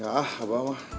gak ah abah mah